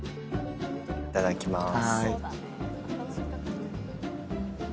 いただきます。